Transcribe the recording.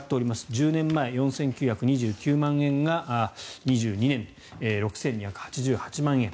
１０年前、４９２９万円が２２年、６２８８万円。